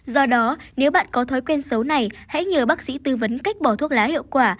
do đó nếu bạn có thói quen xấu này hãy nhờ bác sĩ tư vấn cách bỏ thuốc lá hiệu quả